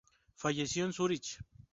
Falleció en Zúrich.